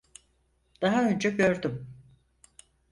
Daha önce gördüm.